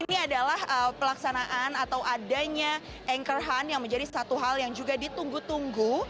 ini adalah pelaksanaan atau adanya anchor hunt yang menjadi satu hal yang juga ditunggu tunggu